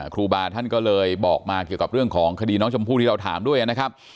ครูบาท่านก็เลยบอกมาเกี่ยวกับเรื่องของคดีน้องชมพู่ที่เราถามด้วยนะครับ